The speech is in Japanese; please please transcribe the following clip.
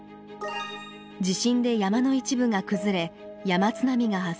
地震で山の一部が崩れ山津波が発生。